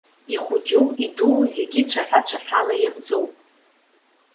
Ихәыҷу, идуу зегьы цәаҳәа цәаҳәала ианҵоуп.